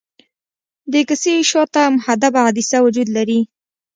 د کسي شاته محدبه عدسیه وجود لري.